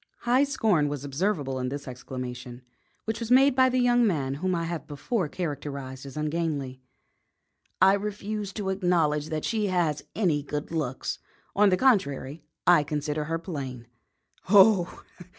High scorn was observable in this exclamation, which was made by the young man whom I have before characterised as ungainly. "I refuse to acknowledge that she has any good looks. On the contrary, I consider her plain." "Oh!